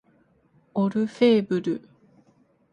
オルフェーヴル